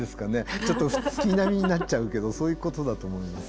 ちょっと月並みになっちゃうけどそういうことだと思います。